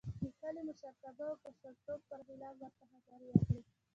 د کلي د مشرتوب او کشرتوب پر خلاف ورته خبرې وکړې.